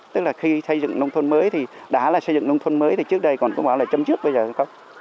tức là khi xây dựng nông thôn mới thì đã là xây dựng nông thôn mới thì trước đây còn cũng bảo là châm trước bây giờ không